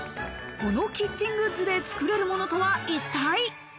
このキッチングッズでつくれるものとは一体？